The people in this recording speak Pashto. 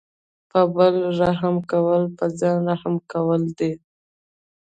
په بل رحم کول په ځان رحم کول دي.